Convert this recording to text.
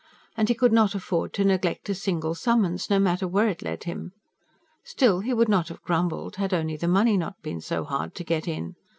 And he could not afford to neglect a single summons, no matter where it led him. Still, he would not have grumbled, had only the money not been so hard to get in.